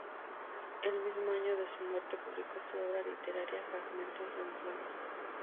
El mismo año de su muerte publicó su obra literaria "Fragmentos de un Poema".